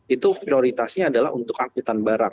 itu prioritasnya adalah untuk angkutan barang